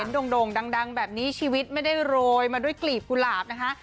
โด่งดังแบบนี้ชีวิตไม่ได้โรยมาด้วยกลีบกุหลาบนะคะ